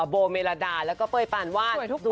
โบเมลาดาแล้วก็เป้ยปานวาด